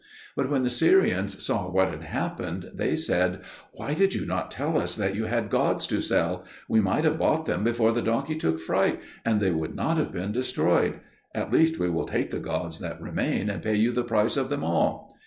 But when the Syrians saw what had happened, they said, "Why did you not tell us that you had gods to sell? We might have bought them before the donkey took fright, and they would not have been destroyed; at least we will take the gods that remain, and pay you the price of them all."